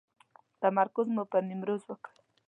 تمرکز مو پر نیمروز وکړ.